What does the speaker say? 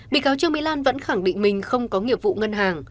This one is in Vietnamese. bị cáo trương mỹ lan vẫn khẳng định mình không có nghiệp vụ ngân hàng